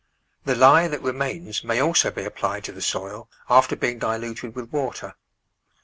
The lye that remains may also be ap plied to the soil after being diluted with water.